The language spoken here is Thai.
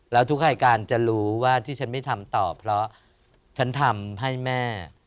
แล้วทุกรายการจะรู้ว่าที่ฉันไม่ทำต่อเพราะฉันทำให้แม่